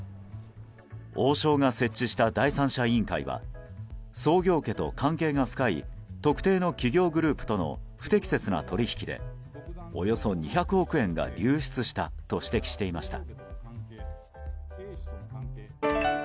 王将が設置した第三者委員会は創業家と関係が深い特定の企業グループとの不適切な取引でおよそ２００億円が流出したと指摘していました。